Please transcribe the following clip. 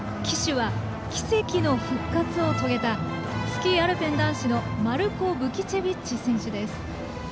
旗手は奇跡の復活を遂げたスキー・アルペン男子のマルコ・ブキチェビッチ選手です。